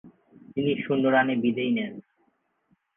তিনি শূন্য রানে বিদেয় নেন।